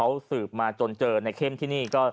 นิ้วด้วนสืบมาจนเจอในเข้มที่นี่